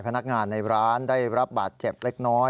พนักงานในร้านได้รับบาดเจ็บเล็กน้อย